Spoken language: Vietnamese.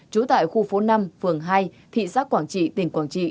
trú tại khu phố năm phường hai thị xã quảng trị tỉnh quảng trị